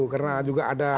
karena juga ada